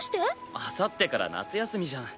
あさってから夏休みじゃん。